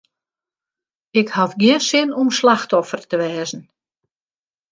Ik haw gjin sin om slachtoffer te wêze.